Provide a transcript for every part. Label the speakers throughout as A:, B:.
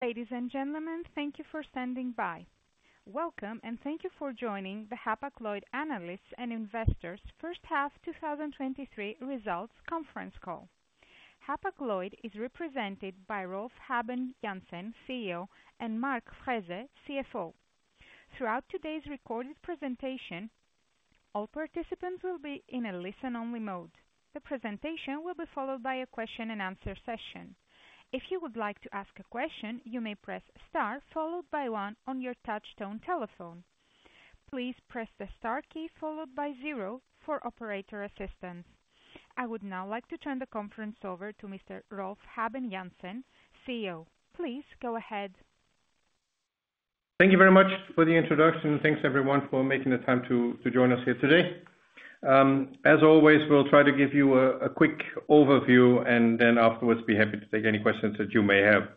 A: Ladies and gentlemen, thank you for standing by. Welcome, and thank you for joining the Hapag-Lloyd Analysts and Investors first half 2023 results conference call. Hapag-Lloyd is represented by Rolf Habben Jansen, CEO, and Mark Frese, CFO. Throughout today's recorded presentation, all participants will be in a listen-only mode. The presentation will be followed by a question and answer session. If you would like to ask a question, you may press star, followed by one on your touchtone telephone. Please press the star key followed by 0 for operator assistance. I would now like to turn the conference over to Mr. Rolf Habben Jansen, CEO. Please go ahead.
B: Thank you very much for the introduction. Thanks everyone for making the time to join us here today. As always, we'll try to give you a quick overview and then afterwards, be happy to take any questions that you may have.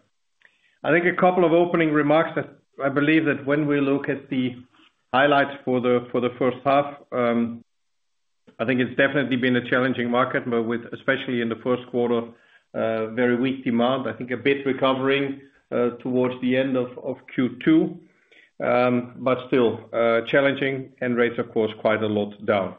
B: I think a couple of opening remarks that I believe that when we look at the highlights for the first half, I think it's definitely been a challenging market, but with, especially in the first quarter, a very weak demand. I think a bit recovering towards the end of Q2, but still challenging and rates, of course, quite a lot down.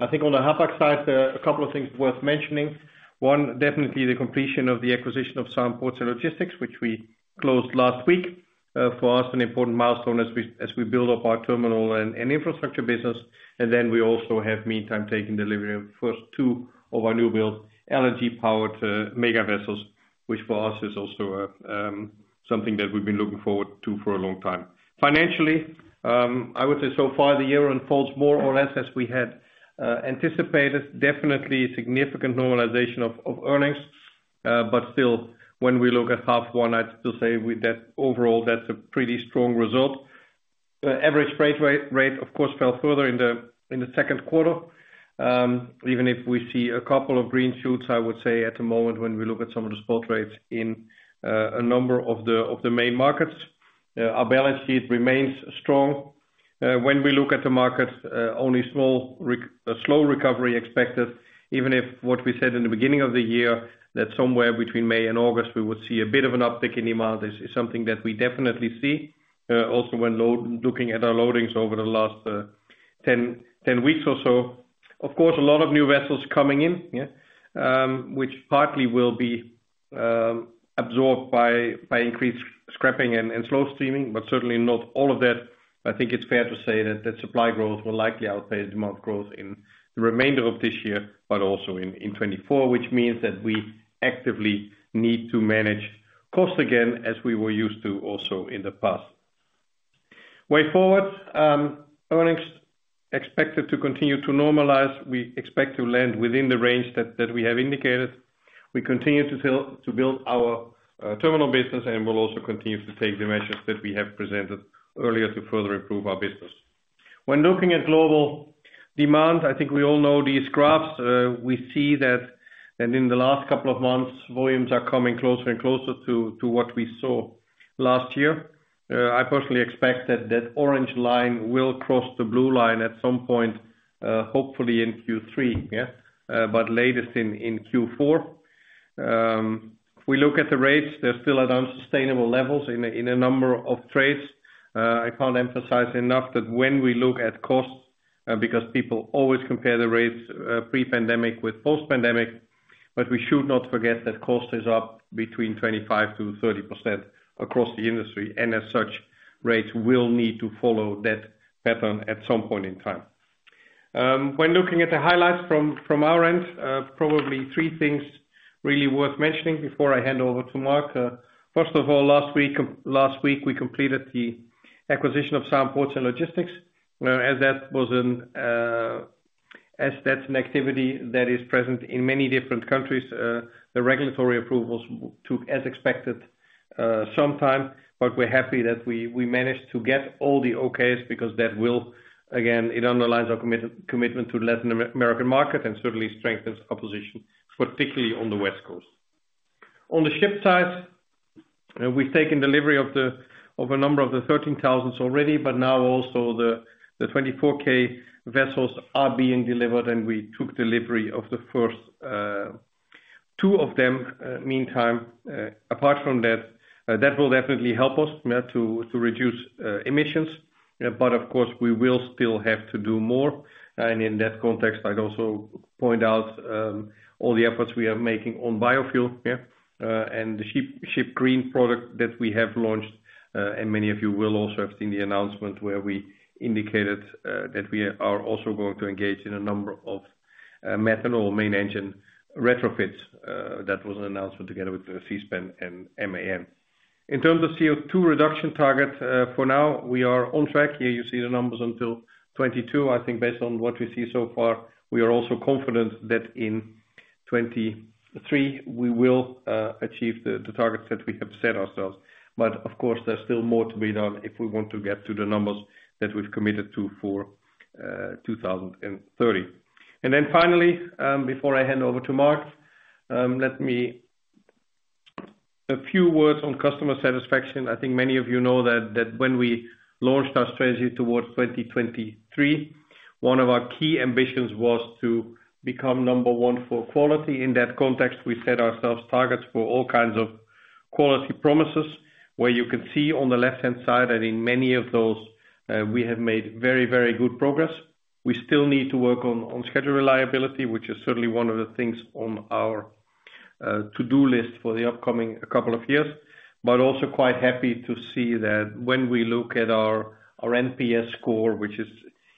B: I think on the Hapag side, there are a couple of things worth mentioning. One, definitely the completion of the acquisition of SAAM ports and logistics, which we closed last week. For us, an important milestone as we, as we build up our terminal and, and infrastructure business. Then we also have meantime taken delivery of first two of our new build LNG-powered mega vessels, which for us is also a something that we've been looking forward to for a long time. Financially, I would say so far the year unfolds more or less as we had anticipated. Definitely significant normalization of, of earnings, but still, when we look at half one, I'd still say with that overall, that's a pretty strong result. The average freight rate, of course, fell further in the, in the second quarter. Even if we see a couple of green shoots, I would say at the moment when we look at some of the spot rates in a number of the, of the main markets, our balance sheet remains strong. When we look at the markets, only a slow recovery expected, even if what we said in the beginning of the year, that somewhere between May and August, we would see a bit of an uptick in demand. This is something that we definitely see also when looking at our loadings over the last 10, 10 weeks or so. Of course, a lot of new vessels coming in, yeah, which partly will be absorbed by increased scrapping and slow steaming, but certainly not all of that. I think it's fair to say that, that supply growth will likely outpace demand growth in the remainder of this year, but also in, in 2024, which means that we actively need to manage costs again as we were used to also in the past. Way forward, earnings expected to continue to normalize. We expect to land within the range that, that we have indicated. We continue to build, to build our terminal business, and we'll also continue to take the measures that we have presented earlier to further improve our business. When looking at global demand, I think we all know these graphs. We see that, that in the last couple of months, volumes are coming closer and closer to, to what we saw last year. I personally expect that that orange line will cross the blue line at some point, hopefully in Q3, but latest in Q4. If we look at the rates, they're still at unsustainable levels in a number of trades. I can't emphasize enough that when we look at costs, because people always compare the rates pre-pandemic with post-pandemic, but we should not forget that cost is up between 25%-30% across the industry, and as such, rates will need to follow that pattern at some point in time. When looking at the highlights from our end, probably three things really worth mentioning before I hand over to Mark. First of all, last week, last week we completed the acquisition of SAAM Ports and Logistics. As that was an, as that's an activity that is present in many different countries, the regulatory approvals took, as expected, some time, but we're happy that we, we managed to get all the okays because that will, again, it underlines our commitment to Latin American market and certainly strengthens our position, particularly on the West Coast. On the ship side, we've taken delivery of the, of a number of the 13,000s already, but now also the, the 24K vessels are being delivered, and we took delivery of the first two of them. Meantime, apart from that, that will definitely help us to, to reduce emissions, but of course, we will still have to do more. In that context, I'd also point out, all the efforts we are making on biofuel, yeah, and the Ship Green product that we have launched. Many of you will also have seen the announcement where we indicated that we are also going to engage in a number of methanol main engine retrofits. That was an announcement together with CMA CGM and MSC. In terms of CO2 reduction target, for now, we are on track. Here you see the numbers until 22. I think based on what we see so far, we are also confident that in 23, we will achieve the targets that we have set ourselves. Of course, there's still more to be done if we want to get to the numbers that we've committed to for 2030. Finally, before I hand over to Mark, let me... A few words on customer satisfaction. I think many of you know that, that when we launched our strategy towards 2023 One of our key ambitions was to become number one for quality. In that context, we set ourselves targets for all kinds of quality promises, where you can see on the left-hand side that in many of those, we have made very, very good progress. We still need to work on, on schedule reliability, which is certainly one of the things on our to-do list for the upcoming couple of years. Also quite happy to see that when we look at our, our NPS score, which is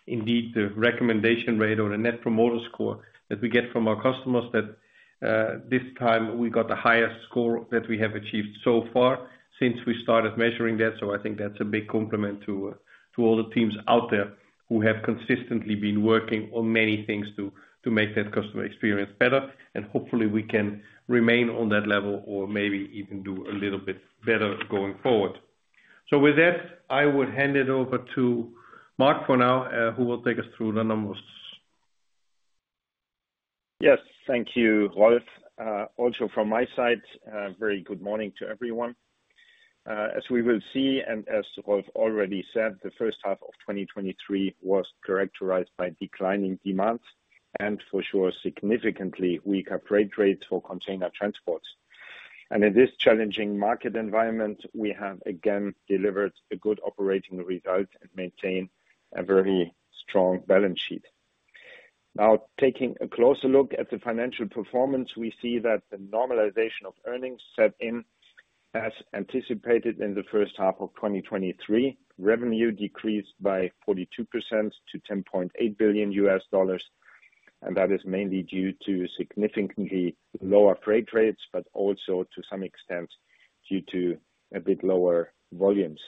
B: indeed the recommendation rate or the Net Promoter Score that we get from our customers, that this time we got the highest score that we have achieved so far since we started measuring that. I think that's a big compliment to, to all the teams out there who have consistently been working on many things to, to make that customer experience better, and hopefully we can remain on that level or maybe even do a little bit better going forward. With that, I would hand it over to Mark for now, who will take us through the numbers.
C: Yes, thank you, Rolf. Also from my side, a very good morning to everyone. As we will see, and as Rolf already said, the first half of 2023 was characterized by declining demand and for sure, significantly weaker freight rates for container transports. In this challenging market environment, we have again delivered a good operating result and maintained a very strong balance sheet. Now, taking a closer look at the financial performance, we see that the normalization of earnings set in as anticipated in the first half of 2023. Revenue decreased by 42% to $10.8 billion, and that is mainly due to significantly lower freight rates, but also to some extent due to a bit lower volumes.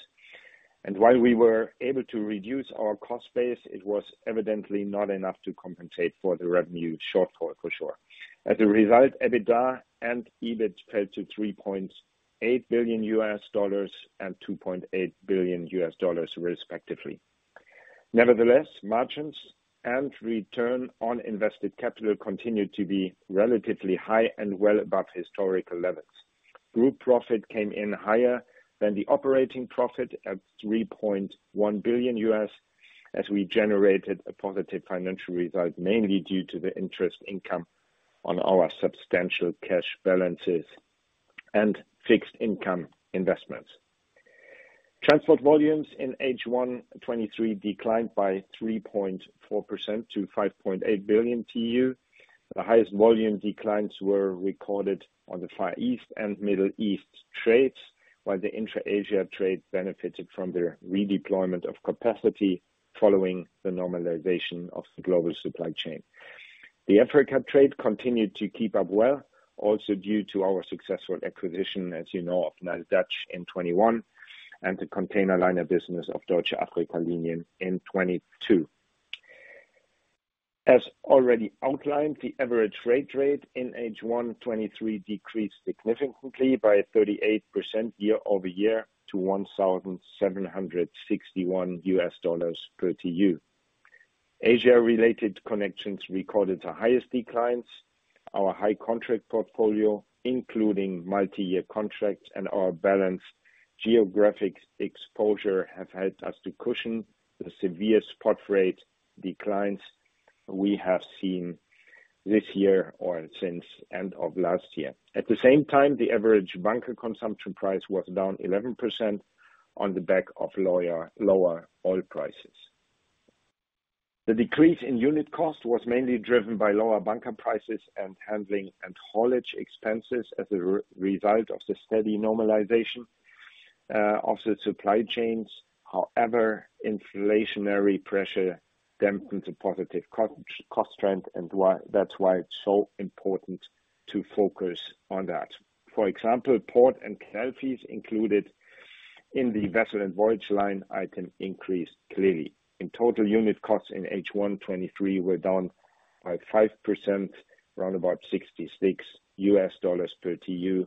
C: While we were able to reduce our cost base, it was evidently not enough to compensate for the revenue shortfall, for sure. As a result, EBITDA and EBIT fell to $3.8 billion and $2.8 billion, respectively. Nevertheless, margins and return on invested capital continued to be relatively high and well above historical levels. Group profit came in higher than the operating profit at $3.1 billion, as we generated a positive financial result, mainly due to the interest income on our substantial cash balances and fixed income investments. Transport volumes in H1 2023 declined by 3.4% to 5.8 billion TEU. The highest volume declines were recorded on the Far East and Middle East trades, while the Intra-Asia trade benefited from the redeployment of capacity following the normalization of the global supply chain. The Africa trade continued to keep up well, also due to our successful acquisition, as you know, of NileDutch in 2021 and the container liner business of Deutsche Afrika-Linien in 2022. As already outlined, the average freight rate in H1 2023 decreased significantly by 38% year-over-year to $1,761 per TEU. Asia-related connections recorded the highest declines. Our high contract portfolio, including multi-year contracts and our balanced geographic exposure, have helped us to cushion the severe spot rate declines we have seen this year or since end of last year. At the same time, the average bunker consumption price was down 11% on the back of lower oil prices. The decrease in unit cost was mainly driven by lower bunker prices and handling and haulage expenses as a result of the steady normalization of the supply chains. Inflationary pressure dampened the positive co-cost trend. That's why it's so important to focus on that. For example, port and canal fees included in the vessel and voyage line item increased clearly. In total, unit costs in H1 2023 were down by 5%, round about $66 per TEU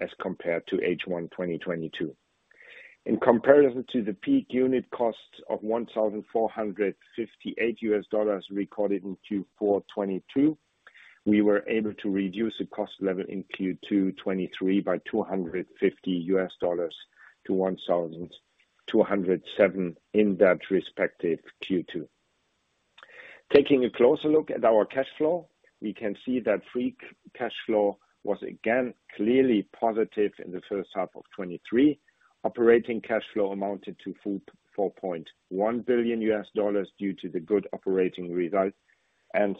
C: as compared to H1 2022. In comparison to the peak unit cost of $1,458 recorded in Q4 2022, we were able to reduce the cost level in Q2 2023 by $250-$1,207 in that respective Q2. Taking a closer look at our cash flow, we can see that free cash flow was again clearly positive in the first half of 2023. Operating cash flow amounted to $4.1 billion due to the good operating results and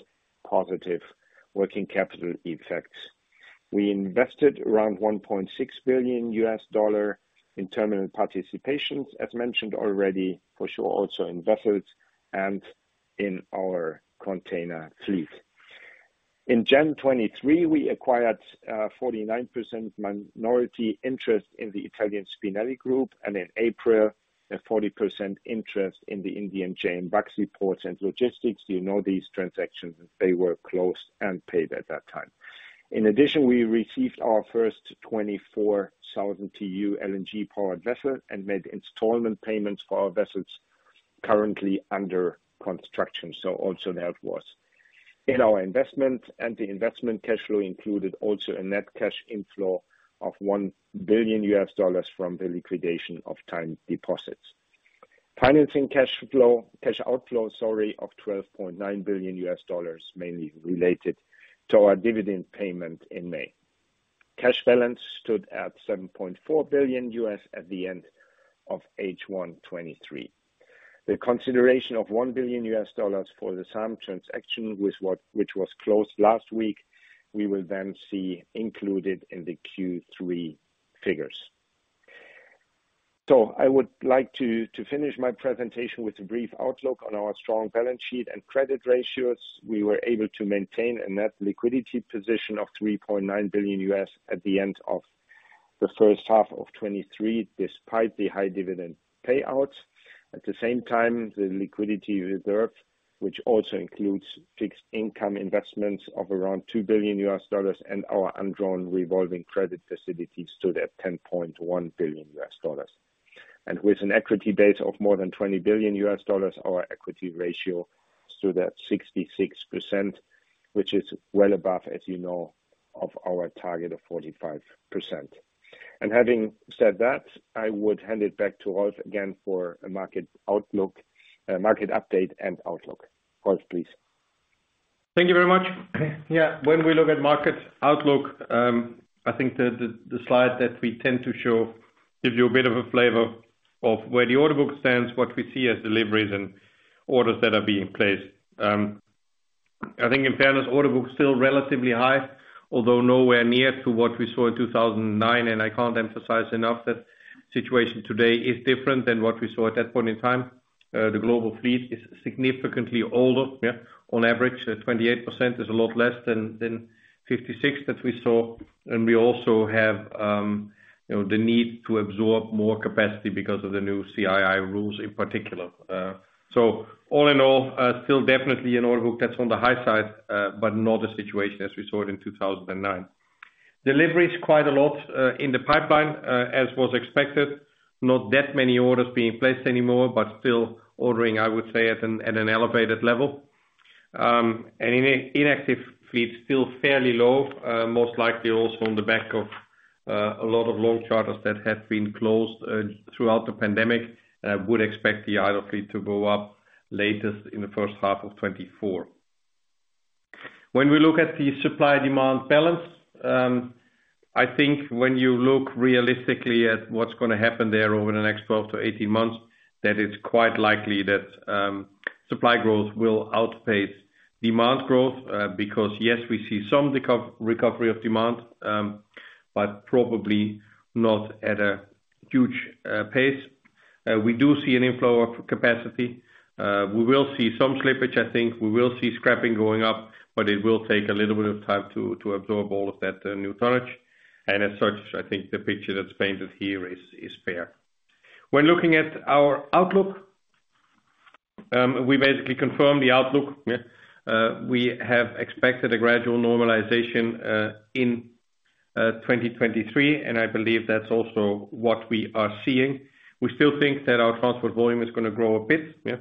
C: positive working capital effects. We invested around $1.6 billion in terminal participations, as mentioned already, for sure, also in vessels and in our container fleet. In January 2023, we acquired 49% minority interest in the Italian Spinelli Group, and in April, a 40% interest in the Indian JN Port and Logistics. You know, these transactions, they were closed and paid at that time. In addition, we received our first 24,000 TEU LNG-powered vessel and made installment payments for our vessels currently under construction. In our investment and the investment cash flow included also a net cash inflow of $1 billion from the liquidation of time deposits. Financing cash flow, cash outflow, sorry, of $12.9 billion, mainly related to our dividend payment in May. Cash balance stood at $7.4 billion at the end of H1 2023. The consideration of $1 billion for the SAAM transaction, which was closed last week, we will then see included in the Q3 figures. I would like to finish my presentation with a brief outlook on our strong balance sheet and credit ratios. We were able to maintain a net liquidity position of $3.9 billion at the end of the first half of 2023, despite the high dividend payouts. At the same time, the liquidity reserve, which also includes fixed income investments of around $2 billion and our undrawn revolving credit facility, stood at $10.1 billion. With an equity base of more than $20 billion, our equity ratio stood at 66%, which is well above, as you know, of our target of 45%. Having said that, I would hand it back to Rolf again for a market outlook, market update and outlook. Rolf, please.
B: Thank you very much. Yeah, when we look at market outlook, I think the, the, the slide that we tend to show gives you a bit of a flavor of where the order book stands, what we see as deliveries and orders that are being placed. I think in fairness, order book is still relatively high, although nowhere near to what we saw in 2009, and I can't emphasize enough that situation today is different than what we saw at that point in time. The global fleet is significantly older, yeah, on average, 28% is a lot less than, than 56% that we saw. We also have, you know, the need to absorb more capacity because of the new CII rules in particular. All in all, still definitely an order book that's on the high side, but not a situation as we saw it in 2009. Delivery is quite a lot in the pipeline, as was expected. Not that many orders being placed anymore, but still ordering, I would say, at an, at an elevated level. Inactive fleet, still fairly low, most likely also on the back of a lot of long charters that have been closed throughout the pandemic. I would expect the idle fleet to go up latest in the first half of 2024. When we look at the supply-demand balance, I think when you look realistically at what's going to happen there over the next 12-18 months, that it's quite likely that supply growth will outpace demand growth, because yes, we see some recovery of demand, but probably not at a huge pace. We do see an inflow of capacity. We will see some slippage, I think. We will see scrapping going up, but it will take a little bit of time to, to absorb all of that new tonnage. As such, I think the picture that's painted here is fair. When looking at our outlook, we basically confirm the outlook. We have expected a gradual normalization in 2023, and I believe that's also what we are seeing. We still think that our transport volume is going to grow a bit. Yeah.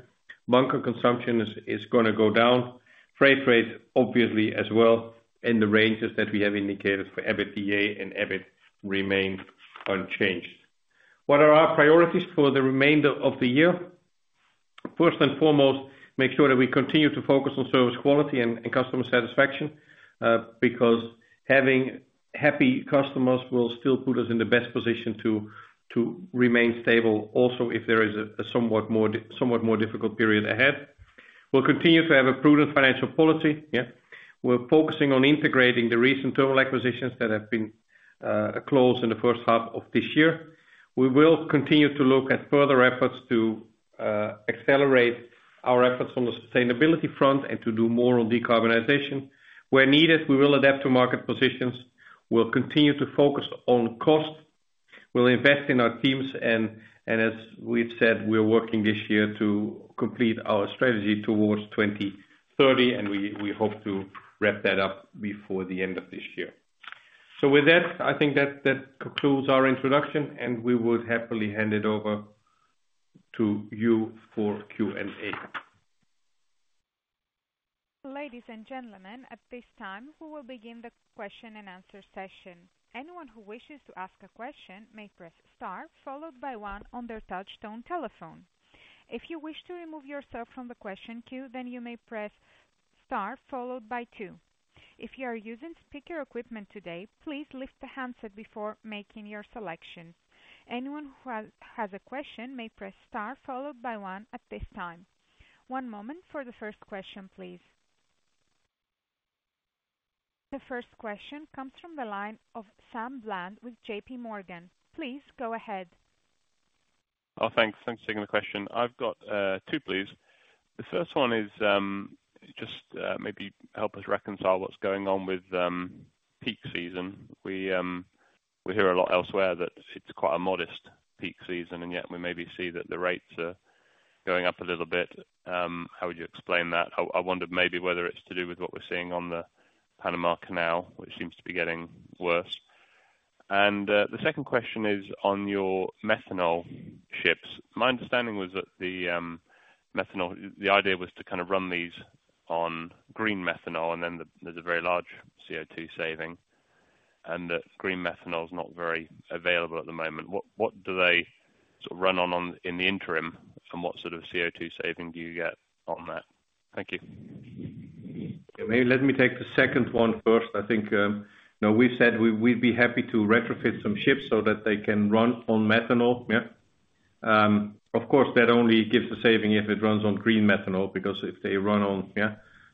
B: Bunker consumption is going to go down. Freight rates, obviously, as well, and the ranges that we have indicated for EBITDA and EBIT remain unchanged. What are our priorities for the remainder of the year? First and foremost, make sure that we continue to focus on service quality and, and customer satisfaction, because having happy customers will still put us in the best position to, to remain stable, also, if there is a, a somewhat more difficult period ahead. We'll continue to have a prudent financial policy, yeah. We're focusing on integrating the recent total acquisitions that have been closed in the first half of this year. We will continue to look at further efforts to accelerate our efforts on the sustainability front and to do more on decarbonization. Where needed, we will adapt to market positions. We'll continue to focus on cost. We'll invest in our teams, and as we've said, we're working this year to complete our strategy towards 2030, and we hope to wrap that up before the end of this year. With that, I think that concludes our introduction, and we would happily hand it over to you for Q&A.
A: Ladies and gentlemen, at this time, we will begin the question and answer session. Anyone who wishes to ask a question may press star, followed by one on their touch-tone telephone. If you wish to remove yourself from the question queue, then you may press star followed by two. If you are using speaker equipment today, please lift the handset before making your selection. Anyone who has a question may press star, followed by one at this time. One moment for the first question, please. The first question comes from the line of Samuel Bland with J.P. Morgan. Please go ahead.
D: Oh, thanks. Thanks for taking the question. I've got two, please. The first one is, just, maybe help us reconcile what's going on with peak season. We, we hear a lot elsewhere that it's quite a modest peak season, and yet we maybe see that the rates are going up a little bit. How would you explain that? I, I wondered maybe whether it's to do with what we're seeing on the Panama Canal, which seems to be getting worse. The second question is on your methanol ships. My understanding was that the methanol, the idea was to kind of run these on green methanol, and then there's a very large CO2 saving, and that green methanol is not very available at the moment. What, what do they sort of run on, on in the interim, and what sort of CO2 saving do you get on that? Thank you.
B: Yeah, let me take the second one first. I think, now we've said we'd be happy to retrofit some ships so that they can run on methanol. Of course, that only gives a saving if it runs on green methanol, because if they run on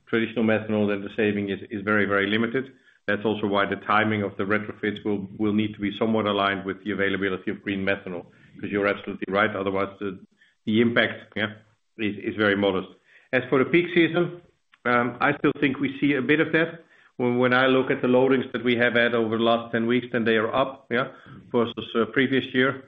B: traditional methanol, then the saving is, is very, very limited. That's also why the timing of the retrofits will, will need to be somewhat aligned with the availability of green methanol, because you're absolutely right, otherwise, the, the impact is, is very modest. As for the peak season, I still think we see a bit of that. When, when I look at the loadings that we have had over the last 10 weeks, then they are up versus previous year.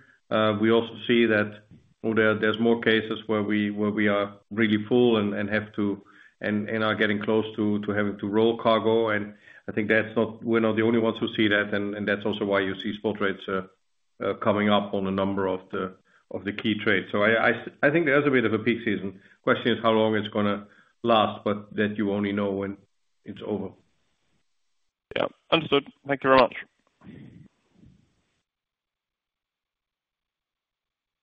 B: We also see that there's more cases where we are really full and are getting close to having to roll cargo. I think that's not we're not the only ones who see that, and that's also why you see spot rates coming up on a number of the key trades. I think there is a bit of a peak season. Question is how long it's gonna last, but that you only know when it's over.
D: Yeah, understood. Thank you very much.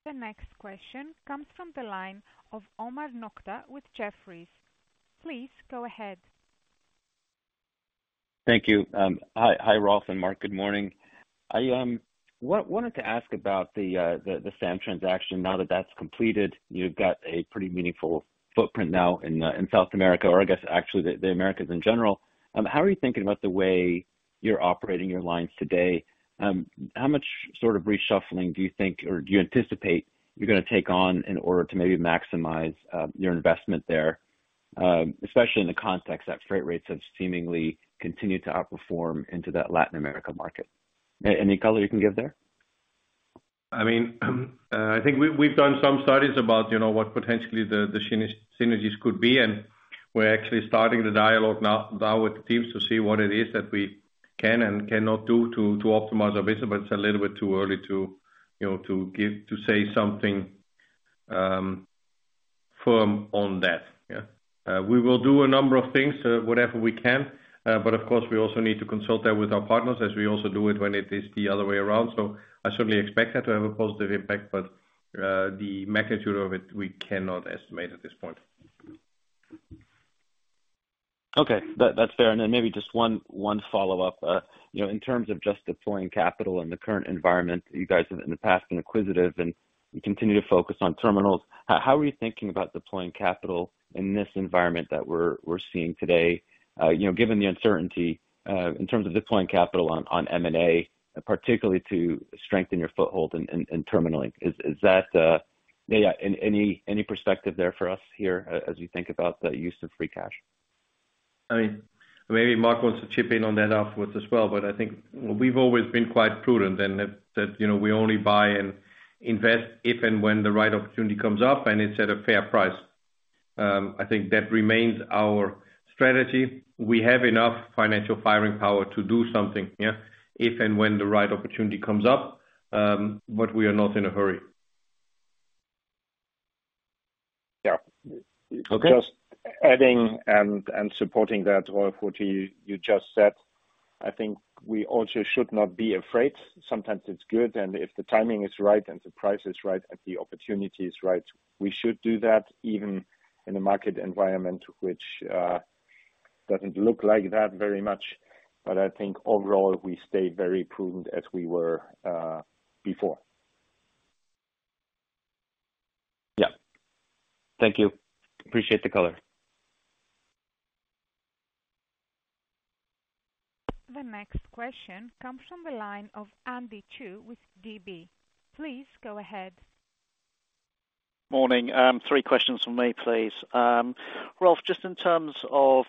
A: The next question comes from the line of Omar Nokta with Jefferies. Please go ahead.
E: Thank you. Hi, hi, Rolf and Mark. Good morning. I wanted to ask about the SAM transaction. Now that that's completed, you've got a pretty meaningful footprint now in South America, or I guess actually the Americas in general. How are you thinking about the way you're operating your lines today? How much sort of reshuffling do you think, or do you anticipate you're gonna take on in order to maybe maximize your investment there, especially in the context that freight rates have seemingly continued to outperform into that Latin America market? Any, any color you can give there?
B: I mean, I think we've done some studies about, you know, what potentially the synergies could be, and we're actually starting the dialogue now, now with the teams to see what it is that we can and cannot do to optimize our business. It's a little bit too early to, you know, to give, to say something firm on that, yeah. We will do a number of things, whatever we can, but of course, we also need to consult that with our partners, as we also do it when it is the other way around. I certainly expect that to have a positive impact, but the magnitude of it, we cannot estimate at this point.
E: Okay, that, that's fair. Then maybe just one, one follow-up. You know, in terms of just deploying capital in the current environment, you guys have, in the past, been inquisitive, and you continue to focus on terminals. How are you thinking about deploying capital in this environment that we're seeing today, you know, given the uncertainty, in terms of deploying capital on M&A, particularly to strengthen your foothold in Terminal Link? Yeah, any perspective there for us here, as you think about the use of free cash?
B: I mean, maybe Mark wants to chip in on that afterwards as well, but I think we've always been quite prudent, and that, that, you know, we only buy and invest if and when the right opportunity comes up and it's at a fair price. I think that remains our strategy. We have enough financial firing power to do something, yeah, if and when the right opportunity comes up, but we are not in a hurry.
C: Yeah.
E: Okay.
C: Just adding and, and supporting that, Rolf, what you, you just said, I think we also should not be afraid. Sometimes it's good, and if the timing is right, and the price is right, and the opportunity is right, we should do that even in a market environment which doesn't look like that very much. I think overall, we stay very prudent as we were before.
E: Yeah. Thank you. Appreciate the color.
A: The next question comes from the line of Andy Chu with DB. Please go ahead.
F: Morning. Three questions from me, please. Rolf, just in terms of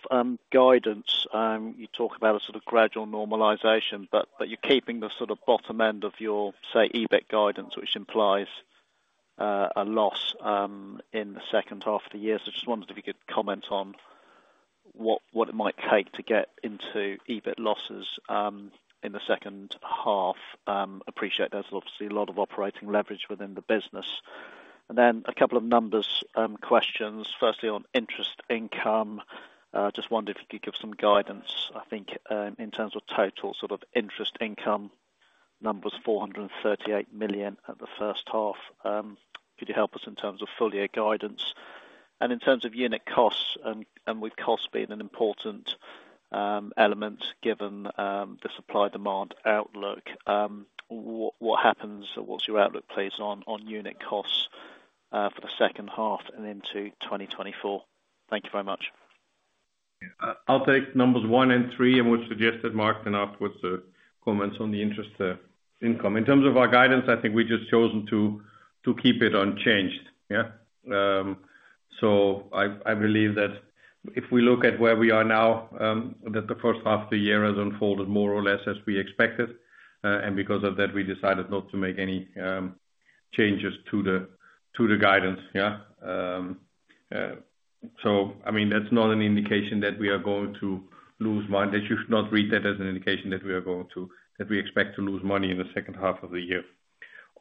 F: guidance, you talk about a sort of gradual normalization, but, but you're keeping the sort of bottom end of your, say, EBIT guidance, which implies a loss in the second half of the year. Just wondered if you could comment on what, what it might take to get into EBIT losses in the second half. Appreciate there's obviously a lot of operating leverage within the business. Then a couple of numbers questions. Firstly, on interest income, just wondered if you could give some guidance, I think, in terms of total sort of interest income numbers, 438 million at the first half. Could you help us in terms of full year guidance? In terms of unit costs and, and with cost being an important, element, given, the supply-demand outlook, what, what happens or what's your outlook plays on, on unit costs, for the second half and into 2024? Thank you very much.
B: I'll take numbers one and three, and would suggest that Mark then afterwards comments on the interest income. In terms of our guidance, I think we just chosen to keep it unchanged, yeah. I believe that if we look at where we are now, that the first half of the year has unfolded more or less as we expected, and because of that, we decided not to make any changes to the guidance, yeah. I mean, that's not an indication that we are going to lose money. You should not read that as an indication that we expect to lose money in the second half of the year.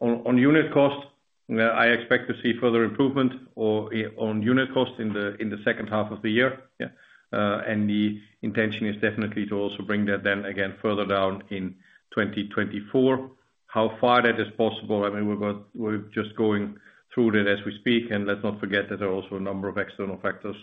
B: On, on unit cost, I expect to see further improvement or, on unit cost in the second half of the year, yeah. The intention is definitely to also bring that then again, further down in 2024. How far that is possible, I mean, we're just going through that as we speak, and let's not forget that there are also a number of external factors,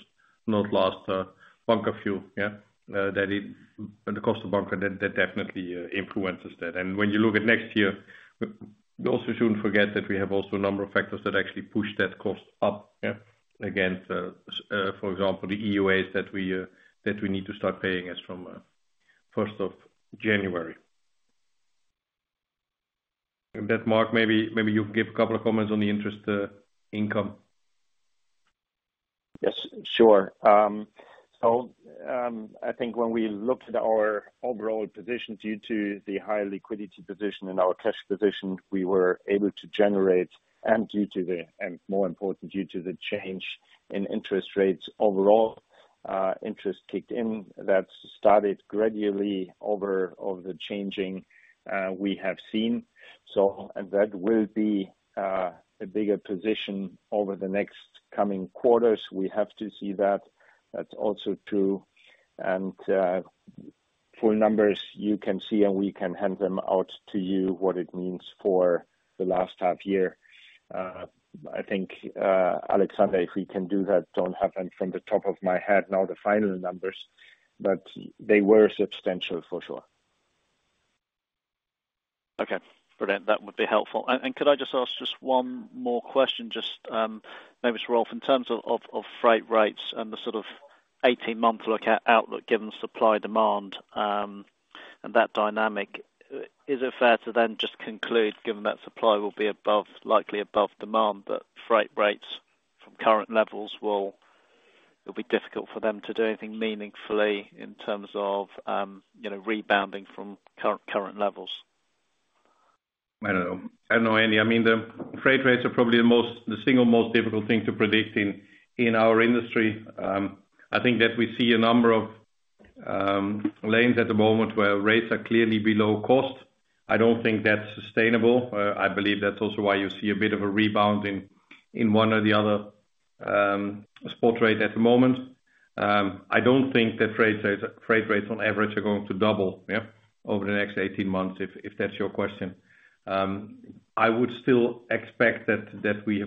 B: not last, bunker fuel, yeah. The cost of bunker, that, that definitely influences that. When you look at next year, we also shouldn't forget that we have also a number of factors that actually push that cost up, yeah, against, for example, the EUAs that we that we need to start paying as from 1st of January. With that, Mark, maybe, maybe you can give a couple of comments on the interest income.
C: Yes, sure. I think when we looked at our overall position, due to the high liquidity position and our cash position, we were able to generate, more important, due to the change in interest rates overall, interest kicked in. That started gradually over, over the changing, we have seen. That will be a bigger position over the next coming quarters. We have to see that, that's also true, and full numbers you can see, and we can hand them out to you, what it means for the last half year. I think, Alexander, if we can do that? Don't have them from the top of my head now, the final numbers, but they were substantial for sure.
F: Okay. Brilliant, that would be helpful. Could I just ask just one more question, just, maybe to Rolf. In terms of, of, of freight rates and the sort of 18-month look at outlook, given supply, demand, and that dynamic, is it fair to then just conclude, given that supply will be above, likely above demand, that freight rates from current levels will, it'll be difficult for them to do anything meaningfully in terms of, you know, rebounding from current, current levels?
B: I don't know. I don't know, Andy. I mean, the freight rates are probably the most, the single most difficult thing to predict in, in our industry. I think that we see a number of lanes at the moment where rates are clearly below cost. I don't think that's sustainable. I believe that's also why you see a bit of a rebound in one or the other spot rate at the moment. I don't think that freight rates, freight rates on average are going to double, yeah, over the next 18 months, if, if that's your question. I would still expect that, that we.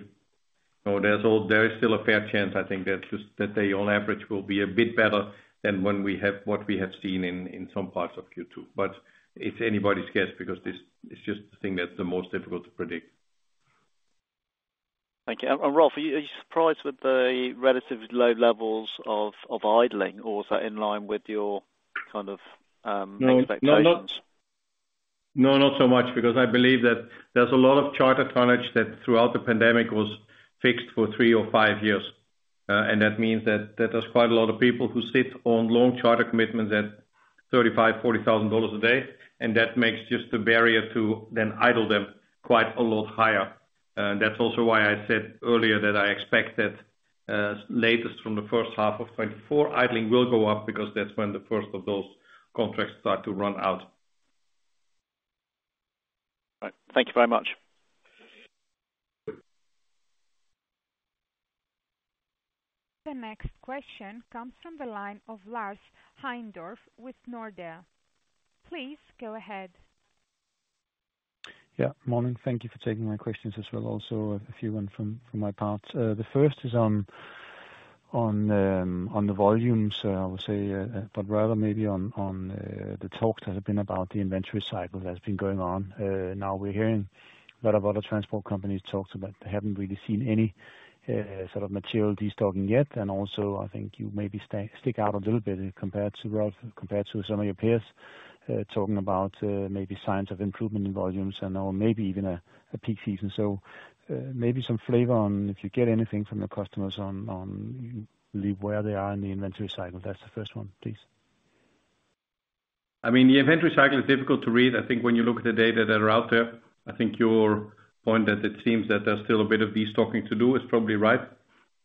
B: You know, there is still a fair chance, I think, that just, that they, on average, will be a bit better than when we have, what we have seen in some parts of Q2. It's anybody's guess because this, it's just the thing that's the most difficult to predict.
F: Thank you. Rolf, are you, are you surprised with the relatively low levels of, of idling, or is that in line with your kind of, expectations?
B: No, not, no, not so much because I believe that there's a lot of charter tonnage that, throughout the pandemic, was fixed for three or five years. That means that there's quite a lot of people who sit on long charter commitments at $35,000-$40,000 a day, and that makes just the barrier to then idle them quite a lot higher. That's also why I said earlier that I expect that, latest from the first half of 2024, idling will go up because that's when the first of those contracts start to run out.
F: Right. Thank you very much.
A: The next question comes from the line of Lars Heindorff with Nordea. Please go ahead.
G: Yeah, morning. Thank you for taking my questions as well, also, a few one from, from my part. The first is on, on, on the volumes, I would say, but rather, maybe on, on, the talks that have been about the inventory cycle that's been going on. Now we're hearing a lot of other transport companies talk about they haven't really seen any sort of material destocking yet. Also, I think you maybe stick out a little bit compared to Rolf, compared to some of your peers, talking about maybe signs of improvement in volumes and/or maybe even a, a peak season. Maybe some flavor on if you get anything from the customers on, on believe where they are in the inventory cycle. That's the first one, please.
B: I mean, the inventory cycle is difficult to read. I think when you look at the data that are out there, I think your point that it seems that there's still a bit of de-stocking to do is probably right.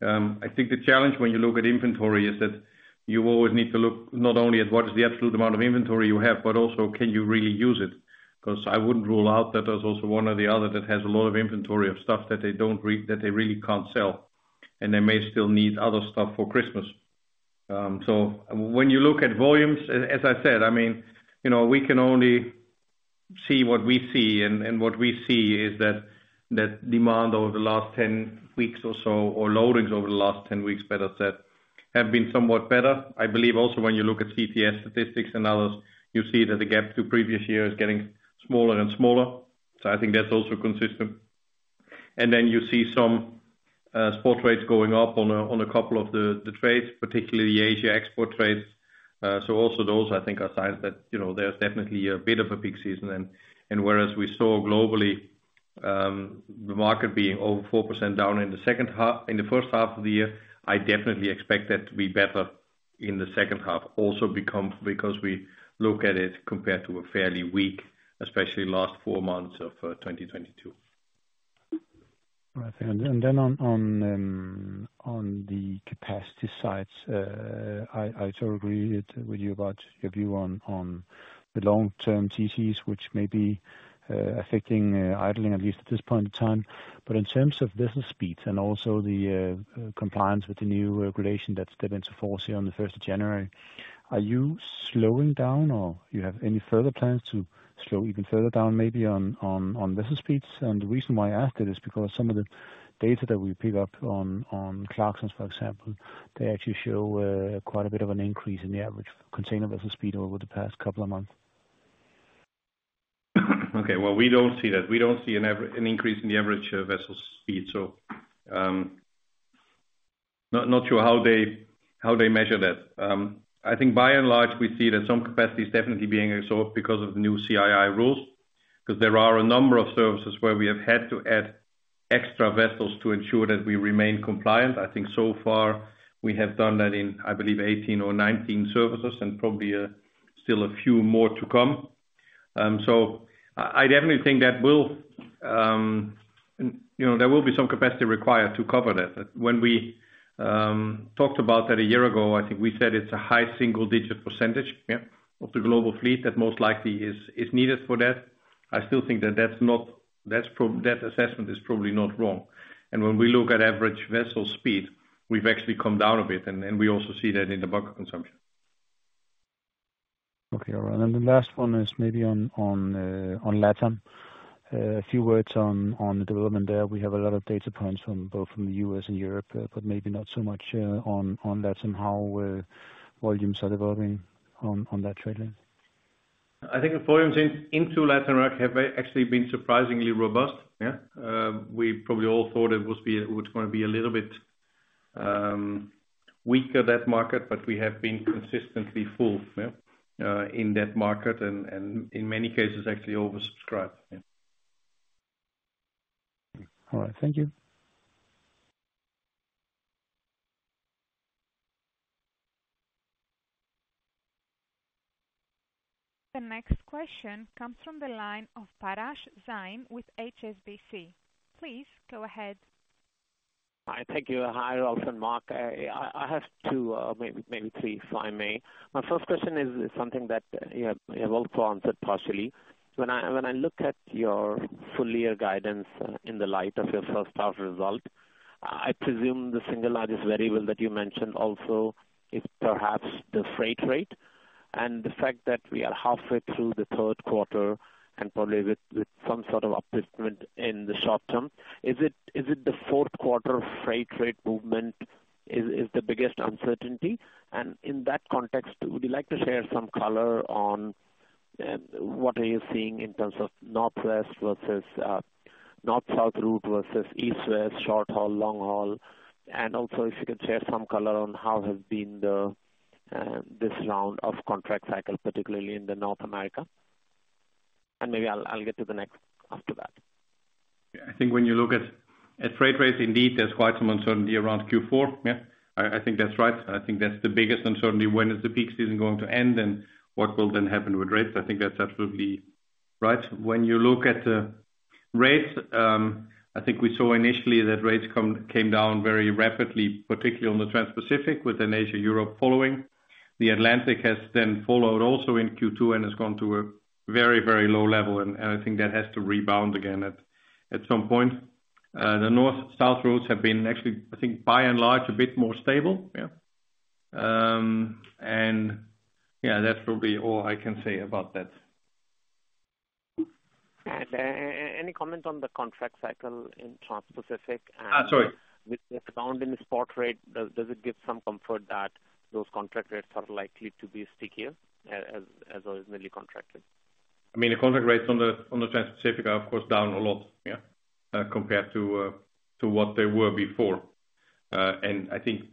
B: I think the challenge when you look at inventory is that you always need to look not only at what is the absolute amount of inventory you have, but also can you really use it? 'Cause I wouldn't rule out that there's also one or the other that has a lot of inventory of stuff that they don't re- that they really can't sell, and they may still need other stuff for Christmas. When you look at volumes, as, as I said, I mean, you know, we can only see what we see, and, and what we see is that, that demand over the last 10 weeks or so, or loadings over the last 10 weeks, better said, have been somewhat better. I believe also when you look at CTS statistics and others, you see that the gap to previous year is getting smaller and smaller, so I think that's also consistent. You see some spot rates going up on a, on a couple of the, the trades, particularly the Asia export trades. Also those, I think are signs that, you know, there's definitely a bit of a peak season. and whereas we saw globally, the market being over 4% down in the second half, in the first half of the year, I definitely expect that to be better in the second half also become, because we look at it compared to a fairly weak, especially last four months of 2022.
G: Right. Then on, on the capacity side, I, I so agree with you about your view on, on the long-term TCs, which may be affecting idling, at least at this point in time. In terms of vessel speeds and also the compliance with the new regulation that stepped into force here on the 1st of January, are you slowing down or you have any further plans to slow even further down, maybe on, on, on vessel speeds? The reason why I ask that is because some of the data that we pick up on, on Clarksons, for example, they actually show quite a bit of an increase in the average container vessel speed over the past couple of months.
B: Okay, well, we don't see that. We don't see an increase in the average vessel speed. Not, not sure how they, how they measure that. I think by and large, we see that some capacity is definitely being absorbed because of the new CII rules, because there are a number of services where we have had to add extra vessels to ensure that we remain compliant. I think so far we have done that in, I believe, 18 or 19 services and probably still a few more to come. I, I definitely think that will, you know, there will be some capacity required to cover that. When we talked about that a year ago, I think we said it's a high single-digit %, yeah, of the global fleet that most likely is, is needed for that. I still think that that's not, that assessment is probably not wrong. When we look at average vessel speed, we've actually come down a bit, and we also see that in the bunker consumption.
G: Okay. All right, the last one is maybe on, on, on Latin. A few words on, on the development there. We have a lot of data points from both from the U.S. and Europe, but maybe not so much, on, on that and how volumes are developing on, on that trade lane.
B: I think the volumes in, into Latin America have actually been surprisingly robust, yeah. We probably all thought it was gonna be a little bit weaker, that market, but we have been consistently full, yeah, in that market and, and in many cases, actually oversubscribed, yeah.
G: All right. Thank you.
A: The next question comes from the line of Parash Jain with HSBC. Please go ahead.
H: Hi. Thank you. Hi, Rolf and Mark. I, I have two, maybe, maybe three, if I may. My first question is, is something that you have, you have both answered partially. When I, when I look at your full year guidance in the light of your first half result, I presume the single largest variable that you mentioned also is perhaps the freight rate and the fact that we are halfway through the third quarter and probably with, with some sort of upliftment in the short term, is it, is it the fourth quarter freight rate movement is, is the biggest uncertainty? In that context, would you like to share some color on, what are you seeing in terms of Northwest versus, North South route versus East West, short haul, long haul? Also, if you could share some color on how has been the, this round of contract cycle, particularly in North America. Maybe I'll, I'll get to the next after that.
B: Yeah, I think when you look at, at freight rates, indeed, there's quite some uncertainty around Q4. Yeah, I think that's right. I think that's the biggest uncertainty, when is the peak season going to end, and what will then happen with rates? I think that's absolutely right. When you look at the rates, I think we saw initially that rates come, came down very rapidly, particularly on the Transpacific, with the Asia Europe following. The Atlantic has then followed also in Q2 and has gone to a very, very low level, and I think that has to rebound again at, at some point. The North South routes have been actually, I think, by and large, a bit more stable, yeah. Yeah, that will be all I can say about that.
H: Any comment on the contract cycle in Transpacific, and-?
B: Sorry.
H: With the down in the spot rate, does it give some comfort that those contract rates are likely to be stickier, as originally contracted?
B: I mean, the contract rates on the Transpacific are of course, down a lot, yeah, compared to what they were before. I think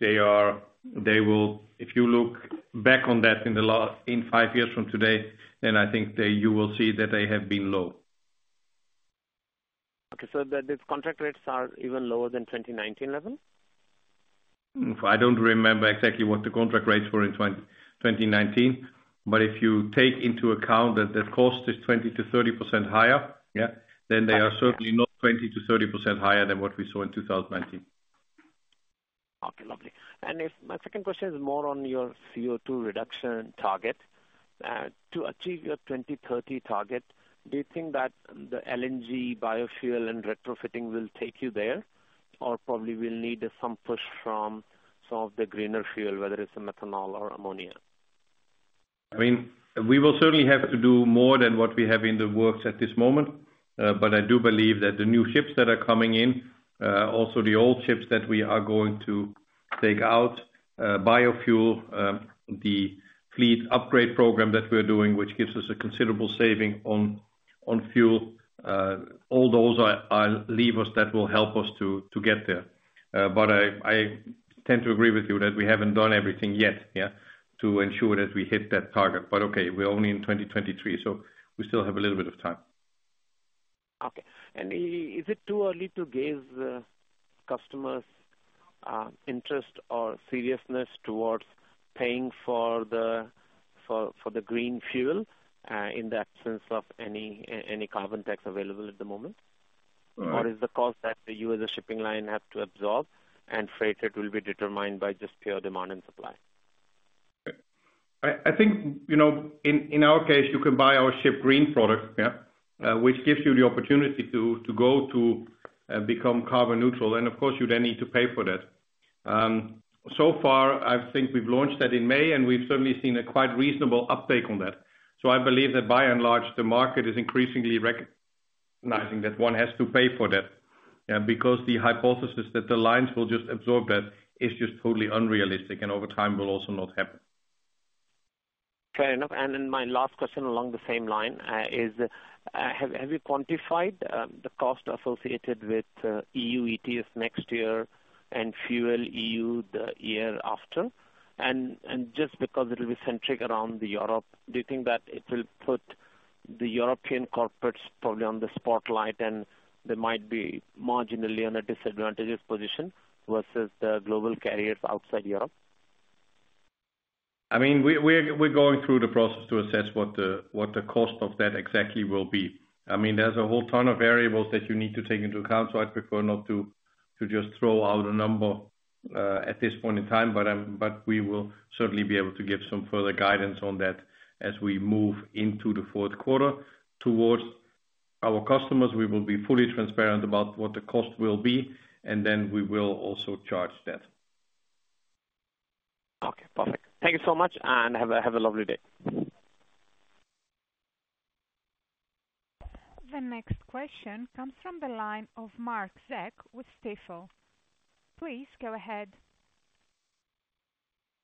B: they will, if you look back on that in the last, in five years from today, then I think you will see that they have been low.
H: Okay, these contract rates are even lower than 2019 level?
B: I don't remember exactly what the contract rates were in 2019. If you take into account that the cost is 20%-30% higher, yeah, then they are certainly not 20%-30% higher than what we saw in 2019.
H: Okay, lovely. My second question is more on your CO2 reduction target. To achieve your 2030 target, do you think that the LNG biofuel and retrofitting will take you there, or probably will need some push from some of the greener fuel, whether it's methanol or ammonia?
B: I mean, we will certainly have to do more than what we have in the works at this moment, but I do believe that the new ships that are coming in, also the old ships that we are going to take out, biofuel, the fleet upgrade program that we're doing, which gives us a considerable saving on, on fuel, all those are, are levers that will help us to, to get there. I, I tend to agree with you that we haven't done everything yet, yeah, to ensure that we hit that target. Okay, we're only in 2023, so we still have a little bit of time.
H: Okay, and is it too early to gauge customers, interest or seriousness towards paying for the, for, for the green fuel, in the absence of any, any carbon tax available at the moment?
B: Uh
H: Is the cost that you as a shipping line have to absorb, and freight it will be determined by just pure demand and supply?
B: I, I think, you know, in, in our case, you can buy our Ship Green product, yeah, which gives you the opportunity to, to go to, become carbon neutral, and of course, you then need to pay for that. So far, I think we've launched that in May, and we've certainly seen a quite reasonable uptake on that. I believe that by and large, the market is increasingly recognizing that one has to pay for that, yeah, because the hypothesis that the lines will just absorb that is just totally unrealistic, and over time will also not happen.
H: Fair enough. Then my last question along the same line, is, have you quantified the cost associated with EU ETS next year and FuelEU Maritime the year after? Just because it will be centric around Europe, do you think that it will put the European corporates probably on the spotlight, and they might be marginally on a disadvantageous position versus the global carriers outside Europe?
B: I mean, we, we're, we're going through the process to assess what the, what the cost of that exactly will be. I mean, there's a whole ton of variables that you need to take into account, so I'd prefer not to, to just throw out a number at this point in time. We will certainly be able to give some further guidance on that as we move into the fourth quarter. Towards our customers, we will be fully transparent about what the cost will be, and then we will also charge that.
H: Okay, perfect. Thank you so much, and have a, have a lovely day.
A: The next question comes from the line of Mark Zack with Stifel. Please go ahead.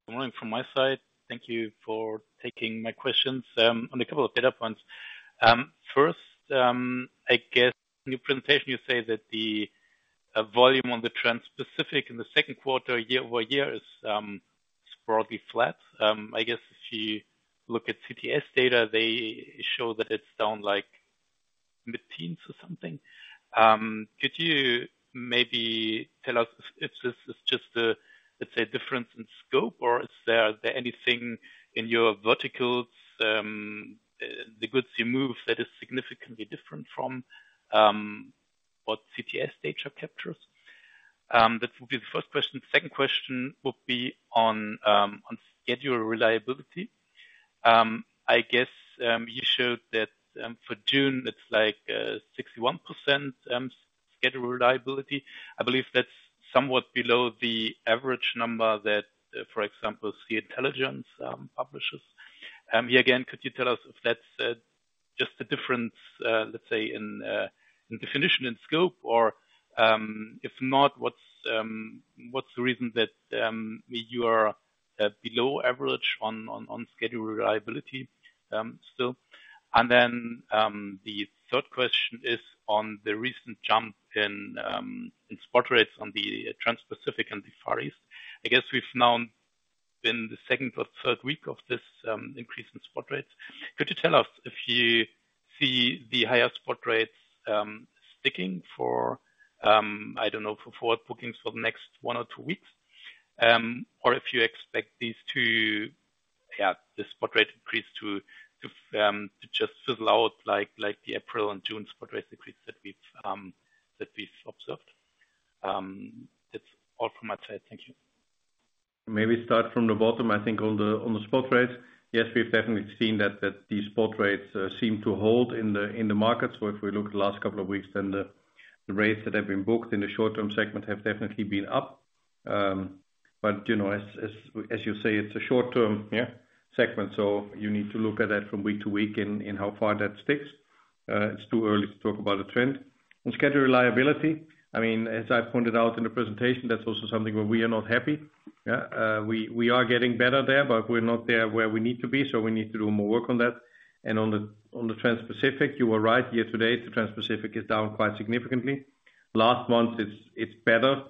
I: Good morning from my side. Thank you for taking my questions. On a couple of data points. First, I guess in your presentation, you say that the volume on the Transpacific in the second quarter, year-over-year, is broadly flat. I guess if you look at CTS data, they show that it's down like mid-teens or something. Could you maybe tell us if this is just a, let's say, difference in scope, or is there anything in your verticals, the goods you move that is significantly different from what CTS data captures? That would be the first question. Second question would be on schedule reliability. I guess you showed that for June, it's like 61% schedule reliability. I believe that's somewhat below the average number that, for example, Sea-Intelligence, publishes. Here again, could you tell us if that's just a difference, let's say, in in definition and scope? Or if not, what's what's the reason that you are below average on on on schedule reliability, still? Then, the third question is on the recent jump in in spot rates on the Transpacific and the Far East. I guess we've now in the second or third week of this increase in spot rates. Could you tell us if you see the highest spot rates sticking for I don't know, for forward bookings for the next one or two weeks? If you expect these to, yeah, the spot rate increase to, to, to just fizzle out like, like the April and June spot rate decrease that we've, that we've observed. That's all from my side. Thank you.
B: Maybe start from the bottom. I think on the, on the spot rates, yes, we've definitely seen that, that the spot rates seem to hold in the, in the markets. If we look the last couple of weeks, then the, the rates that have been booked in the short-term segment have definitely been up. You know, as, as, as you say, it's a short-term segment, so you need to look at that from week to week and, and how far that sticks. It's too early to talk about a trend. On schedule reliability, I mean, as I pointed out in the presentation, that's also something where we are not happy. Yeah, we, we are getting better there, but we're not there where we need to be, so we need to do more work on that. On the, on the Transpacific, you are right. Year to date, the Transpacific is down quite significantly. Last month, it's, it's better,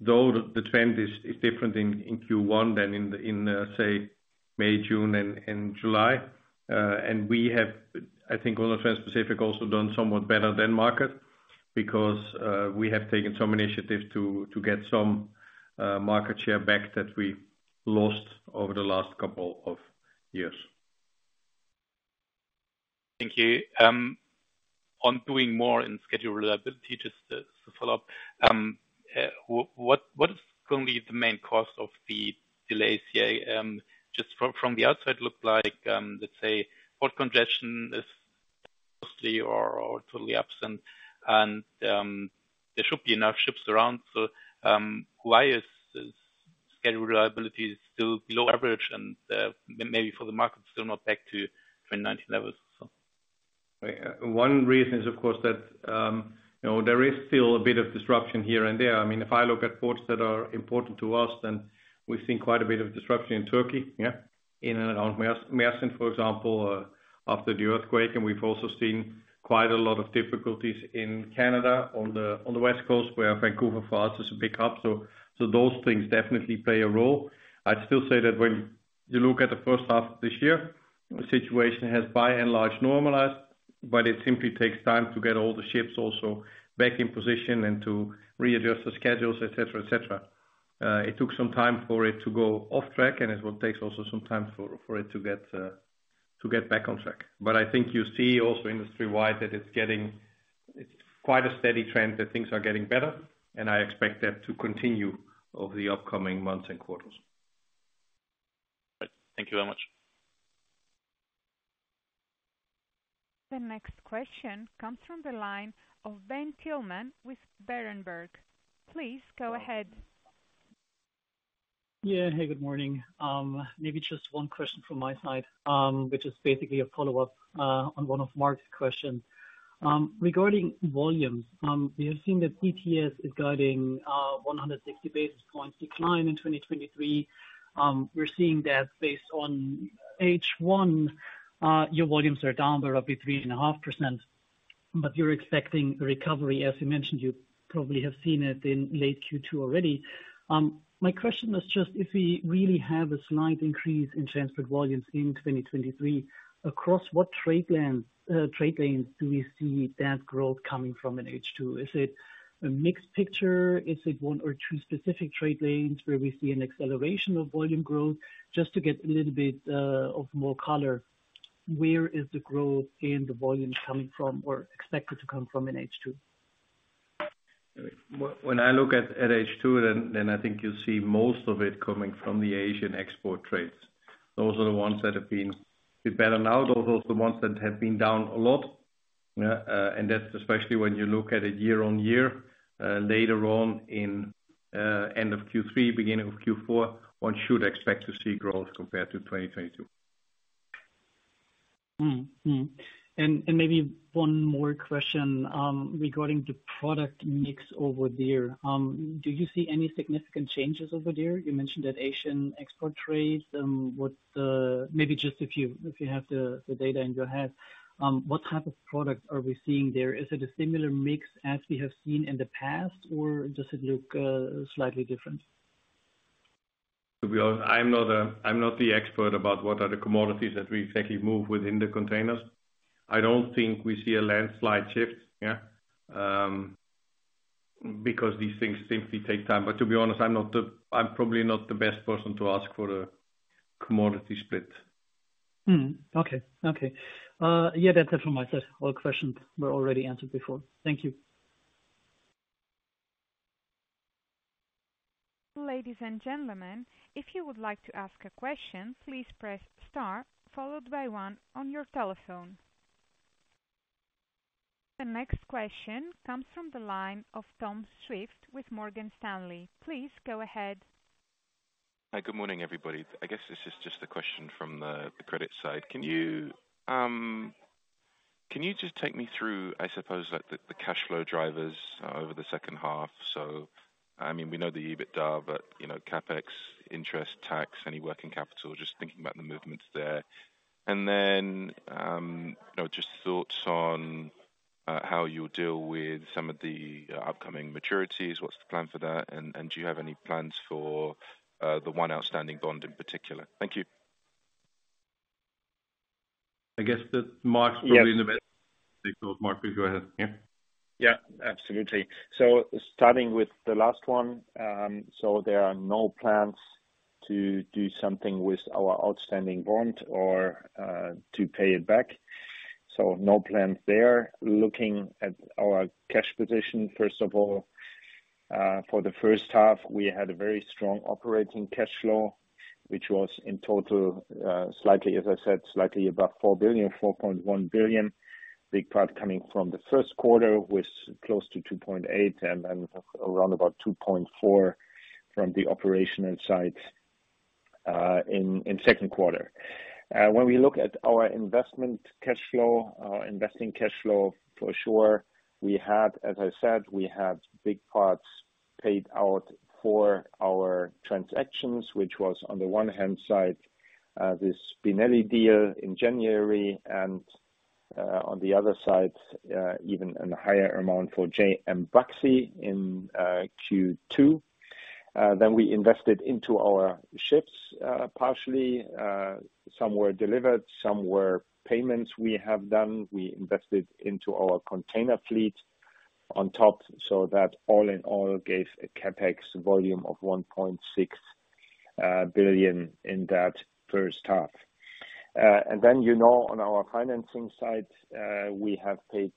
B: though, the trend is, is different in, in Q1 than in the, in, say, May, June and, and July. We have, I think on the Transpacific, also done somewhat better than market, because we have taken some initiative to, to get some market share back that we lost over the last couple of years.
I: Thank you. On doing more in schedule reliability, just to, to follow up. What, what is currently the main cause of the delays here? Just from, from the outside, look like, let's say, port congestion is mostly or, or totally absent, and there should be enough ships around. Why is the schedule reliability still below average, and maybe for the market, still not back to 2019 levels or so?
B: One reason is, of course, that, you know, there is still a bit of disruption here and there. I mean, if I look at ports that are important to us, then we've seen quite a bit of disruption in Turkey, yeah, in and around Mersin, for example, after the earthquake. We've also seen quite a lot of difficulties in Canada, on the, on the West Coast, where Vancouver, for us, is a big hub. Those things definitely play a role. I'd still say that You look at the first half of this year, the situation has by and large normalized, but it simply takes time to get all the ships also back in position and to readjust the schedules, et cetera, et cetera. It took some time for it to go off track, and it will take also some time for, for it to get to get back on track. I think you see also industry-wide, that it's getting, it's quite a steady trend, that things are getting better, and I expect that to continue over the upcoming months and quarters.
I: Right. Thank you very much.
A: The next question comes from the line of Ben Tillman with Berenberg. Please go ahead. Yeah. Hey, good morning. Maybe just one question from my side, which is basically a follow-up on one of Mark's questions. Regarding volumes, we have seen that CTS is guiding 160 basis points decline in 2023. We're seeing that based on H1, your volumes are down by roughly 3.5%, but you're expecting a recovery. As you mentioned, you probably have seen it in late Q2 already. My question was just if we really have a slight increase in transferred volumes in 2023, across what trade lands, trade lanes do we see that growth coming from in H2? Is it a mixed picture? Is it one or two specific trade lanes where we see an acceleration of volume growth? Just to get a little bit of more color, where is the growth in the volumes coming from or expected to come from in H2?
B: I look at H2, I think you'll see most of it coming from the Asian export trades. Those are the ones that have been a bit better now. Those are the ones that have been down a lot. That's especially when you look at it year-on-year, later on in end of Q3, beginning of Q4, one should expect to see growth compared to 2022. Mm-hmm. And maybe one more question regarding the product mix over there. Do you see any significant changes over there? You mentioned that Asian export trades, what, maybe just if you, if you have the data in your head, what type of product are we seeing there? Is it a similar mix as we have seen in the past, or does it look slightly different? To be honest, I'm not a, I'm not the expert about what are the commodities that we exactly move within the containers. I don't think we see a landslide shift. Yeah. Because these things simply take time. To be honest, I'm probably not the best person to ask for a commodity split. Hmm. Okay. Okay, yeah, that's it from my side. All questions were already answered before. Thank you.
A: Ladies and gentlemen, if you would like to ask a question, please press star followed by pne on your telephone. The next question comes from the line of Tom Swift with Morgan Stanley. Please go ahead.
J: Hi. Good morning, everybody. I guess this is just a question from the, the credit side. Can you, can you just take me through, I suppose, like, the, the cash flow drivers over the second half? I mean, we know the EBITDA, but, you know, CapEx, interest, tax, any working capital, just thinking about the movements there. Then, you know, just thoughts on how you deal with some of the upcoming maturities, what's the plan for that? And do you have any plans for the one outstanding bond in particular? Thank you.
B: I guess that Mark's probably in the best... Mark, please go ahead. Yeah.
C: Yeah, absolutely. Starting with the last one, there are no plans to do something with our outstanding bond or to pay it back. No plans there. Looking at our cash position, first of all, for the first half, we had a very strong operating cash flow, which was in total, slightly, as I said, slightly above 4 billion, 4.1 billion. Big part coming from the first quarter, with close to 2.8 billion and then around about 2.4 billion from the operational side, in second quarter. When we look at our investment cash flow, investing cash flow, for sure, we had, as I said, we had big parts paid out for our transactions, which was, on the one hand side, this Spinelli deal in January and, on the other side, even an higher amount for JM Baxi in Q2. We invested into our ships, partially, some were delivered, some were payments we have done. We invested into our container fleet on top, so that all in all, gave a CapEx volume of 1.6 billion in that first half. Then, you know, on our financing side, we have paid,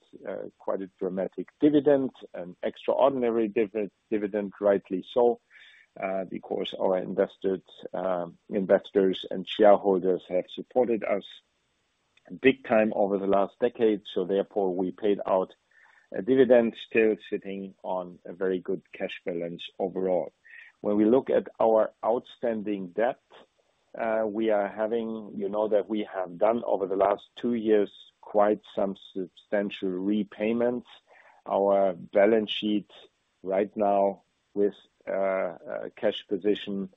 C: quite a dramatic dividend, an extraordinary dividend, rightly so, because our invested investors and shareholders have supported us big time over the last decade, therefore, we paid out a dividend still sitting on a very good cash balance overall. When we look at our outstanding debt, we are having, you know, that we have done over the last two years, quite some substantial repayments. Our balance sheet right now with, a cash position,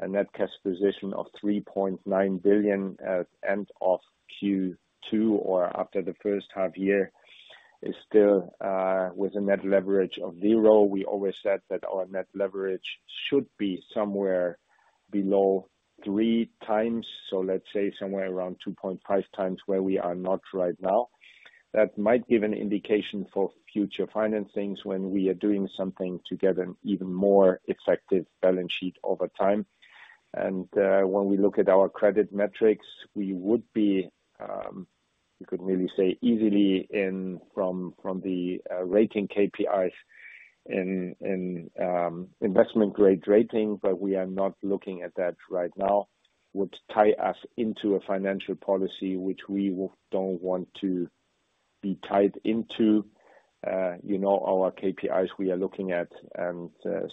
C: a net cash position of 3.9 billion at end of Q2 or after the first half year.
B: is still with a net leverage of zero. We always said that our net leverage should be somewhere below three times, so let's say somewhere around 2.5 times, where we are not right now. That might give an indication for future financings when we are doing something to get an even more effective balance sheet over time. When we look at our credit metrics, we would be, you could maybe say, easily in from, from the rating KPIs in investment-grade rating, but we are not looking at that right now. Would tie us into a financial policy, which we don't want to be tied into. You know, our KPIs we are looking at,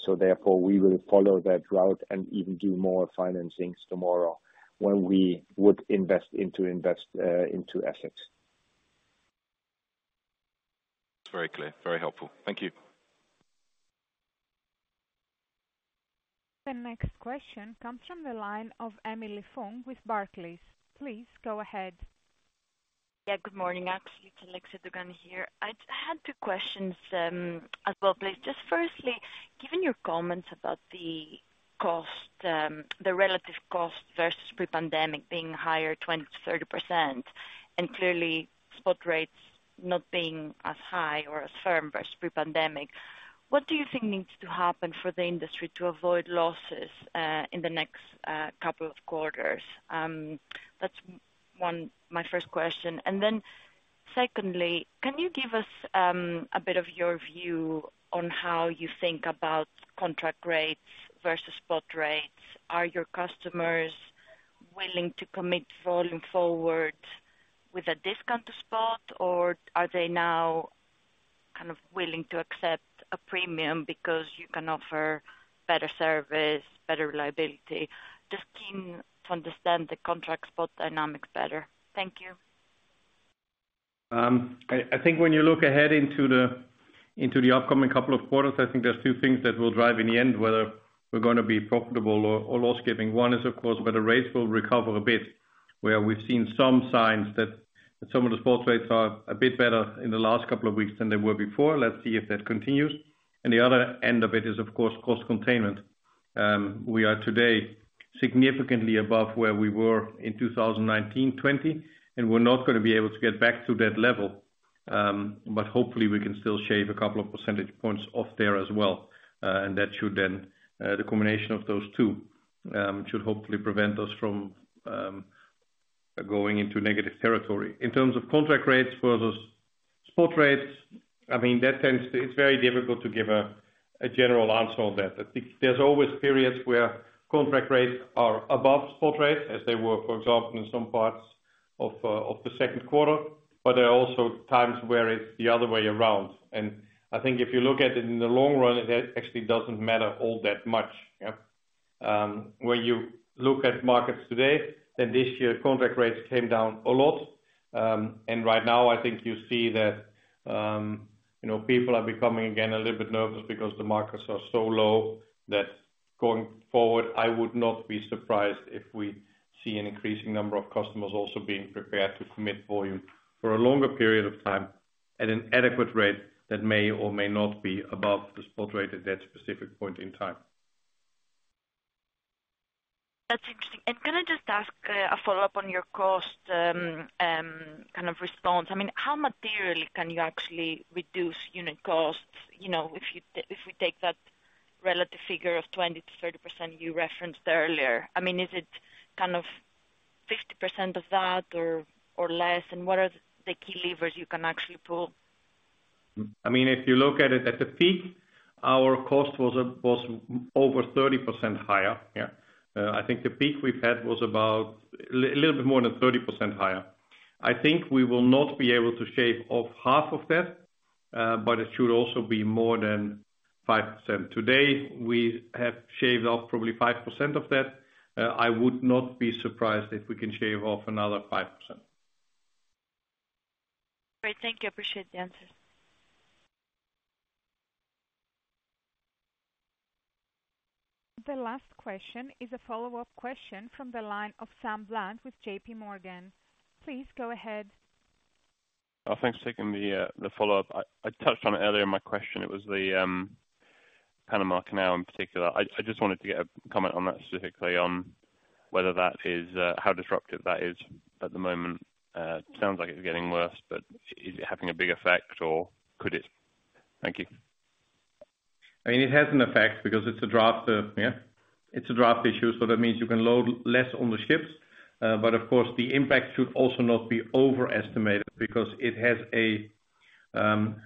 B: so therefore, we will follow that route and even do more financings tomorrow when we would invest in to invest into assets.
J: Very clear. Very helpful. Thank you.
A: The next question comes from the line of Emily Fung with Barclays. Please go ahead.
K: Yeah, good morning, actually, it's Alexia Dukan here. I had two questions as well, please. Just firstly, given your comments about the cost, the relative cost versus pre-pandemic being higher 20%-30%, and clearly spot rates not being as high or as firm versus pre-pandemic, what do you think needs to happen for the industry to avoid losses in the next couple of quarters? That's one, my first question. Secondly, can you give us a bit of your view on how you think about contract rates versus spot rates? Are your customers willing to commit volume forward with a discount to spot, or are they now kind of willing to accept a premium because you can offer better service, better reliability? Just keen to understand the contract spot dynamics better. Thank you.
B: I, I think when you look ahead into the, into the upcoming couple of quarters, I think there's two things that will drive in the end, whether we're gonna be profitable or, or loss-giving. One is, of course, whether rates will recover a bit, where we've seen some signs that some of the spot rates are a bit better in the last couple of weeks than they were before. Let's see if that continues. The other end of it is, of course, cost containment. We are today significantly above where we were in 2019, 2020, and we're not gonna be able to get back to that level. But hopefully we can still shave a couple of percentage points off there as well, and that should then, the combination of those two, should hopefully prevent us from going into negative territory. In terms of contract rates versus spot rates, I mean, it's very difficult to give a general answer on that. I think there's always periods where contract rates are above spot rates, as they were, for example, in some parts of the second quarter. There are also times where it's the other way around. I think if you look at it in the long run, it actually doesn't matter all that much, yeah? When you look at markets today, this year, contract rates came down a lot. Right now, I think you see that, you know, people are becoming again a little bit nervous because the markets are so low, that going forward, I would not be surprised if we see an increasing number of customers also being prepared to commit volume for a longer period of time at an adequate rate that may or may not be above the spot rate at that specific point in time.
K: That's interesting. Can I just ask a follow-up on your cost kind of response? I mean, how materially can you actually reduce unit costs? You know, if we take that relative figure of 20%-30% you referenced earlier. I mean, is it kind of 50% of that or, or less? What are the key levers you can actually pull?
B: I mean, if you look at it, at the peak, our cost was a, was over 30% higher, yeah. I think the peak we've had was about a little bit more than 30% higher. I think we will not be able to shave off half of that, but it should also be more than 5%. Today, we have shaved off probably 5% of that. I would not be surprised if we can shave off another 5%.
K: Great. Thank you. I appreciate the answers.
A: The last question is a follow-up question from the line of Samuel Bland with J.P. Morgan. Please go ahead.
D: Thanks for taking the, the follow-up. I, I touched on it earlier in my question. It was the, Panama Canal in particular. I, I just wanted to get a comment on that specifically, on whether that is, how disruptive that is at the moment. It sounds like it's getting worse, but is it having a big effect, or could it? Thank you.
B: I mean, it has an effect because it's a draft, yeah, it's a draft issue, so that means you can load less on the ships. Of course, the impact should also not be overestimated because it has a,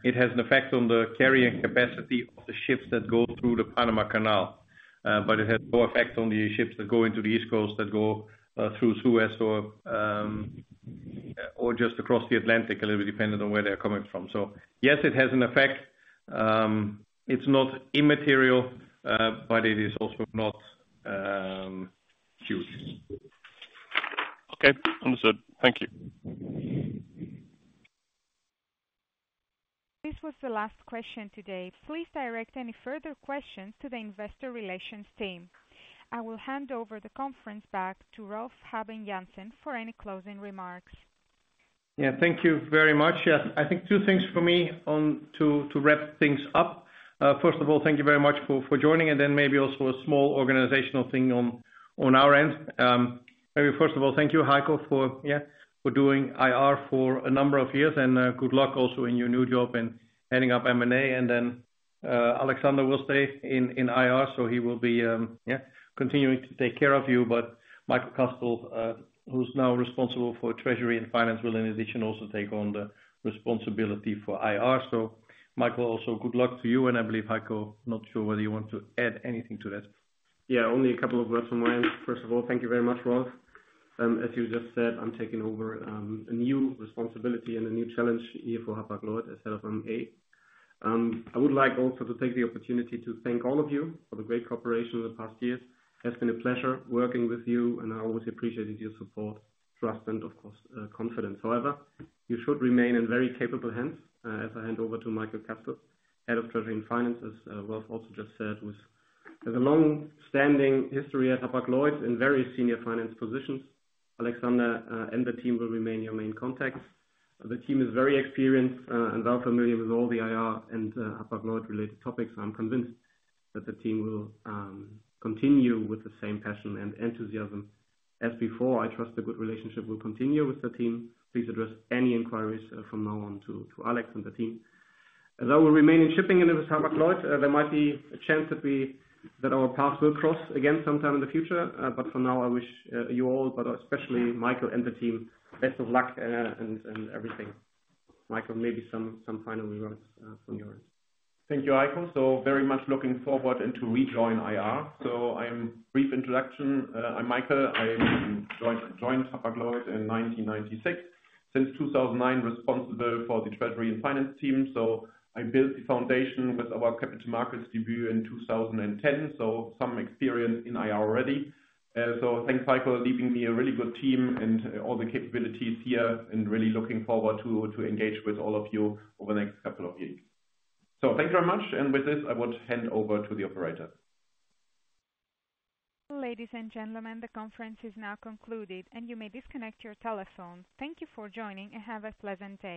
B: it has an effect on the carrying capacity of the ships that go through the Panama Canal. It has no effect on the ships that go into the East Coast, that go through Suez or just across the Atlantic a little, depending on where they're coming from. Yes, it has an effect. It's not immaterial, but it is also not huge.
D: Okay, understood. Thank you.
A: This was the last question today. Please direct any further questions to the investor relations team. I will hand over the conference back to Rolf Habben Jansen for any closing remarks.
B: Yeah, thank you very much. Yeah, I think two things for me on to wrap things up. First of all, thank you very much for, for joining, and then maybe also a small organizational thing on, on our end. Maybe first of all, thank you, Heiko, for, yeah, for doing IR for a number of years, and good luck also in your new job and heading up M&A. Alexander will stay in, in IR, so he will be, yeah, continuing to take care of you. Michael Kasthl, who's now responsible for treasury and finance, will in addition, also take on the responsibility for IR. Michael, also, good luck to you. I believe Heiko, not sure whether you want to add anything to that.
L: Only a couple of words from my end. First of all, thank you very much, Rolf. As you just said, I'm taking over a new responsibility and a new challenge here for Hapag-Lloyd as Head of M&A. I would like also to take the opportunity to thank all of you for the great cooperation over the past years. It's been a pleasure working with you, and I always appreciated your support, trust, and, of course, confidence. However, you should remain in very capable hands, as I hand over to Michael Kastl, Head of Treasury and Finances. Rolf also just said, with a longstanding history at Hapag-Lloyd in very senior finance positions, Alexander and the team will remain your main contacts. The team is very experienced and well familiar with all the IR and Hapag-Lloyd related topics. I'm convinced that the team will continue with the same passion and enthusiasm as before. I trust a good relationship will continue with the team. Please address any inquiries from now on to Alex and the team. As I will remain in shipping and with Hapag-Lloyd, there might be a chance that we, that our paths will cross again sometime in the future. For now, I wish you all, but especially Michael and the team, best of luck and everything. Michael, maybe some final remarks from your end.
B: Thank you, Heiko. Very much looking forward into rejoining IR. I am brief introduction. I'm Michael. I joined Hapag-Lloyd in 1996. Since 2009, responsible for the treasury and finance team, so I built the foundation with our capital markets debut in 2010, so some experience in IR already. Thanks, Heiko, leaving me a really good team and all the capabilities here, and really looking forward to engage with all of you over the next couple of years. Thank you very much, and with this, I would hand over to the operator.
A: Ladies and gentlemen, the conference is now concluded, and you may disconnect your telephone. Thank you for joining and have a pleasant day.